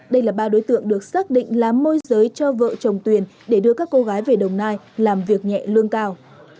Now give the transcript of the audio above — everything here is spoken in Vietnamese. đây là ba đối tượng được xác định là môi giới cho vợ chồng tuyền để đưa các cô gái về đồng nai làm việc nhẹ lương cao